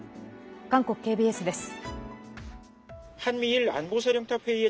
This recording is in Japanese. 韓国ＫＢＳです。